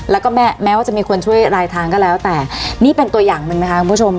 แล้วก็แม้แม้ว่าจะมีคนช่วยรายทางก็แล้วแต่นี่เป็นตัวอย่างหนึ่งไหมคะคุณผู้ชม